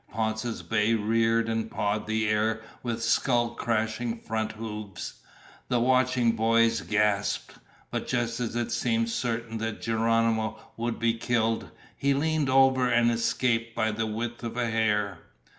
Ponce's bay reared and pawed the air with skull crushing front hoofs. The watching boys gasped. But just as it seemed certain that Geronimo would be killed, he leaned over and escaped by the width of a hair.